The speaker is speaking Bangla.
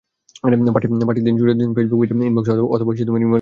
পাঠিয়ে দিন ছুটির দিনের ফেসবুক পেজের ইনবক্সে অথবা ই-মেইল করতে পারেন।